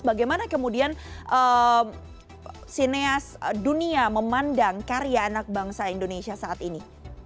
bagaimana kemudian sineas dunia memandang karya anak bangsa indonesia saat ini